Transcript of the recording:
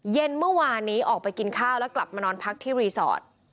เย็นเมื่อวานนี้ออกไปกินข้าวแล้วกลับมานอนพักที่รีสอร์ท